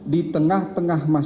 di tengah tengah tindakan